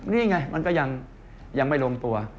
นี่ไงมันก็ยังไม่ลงตัว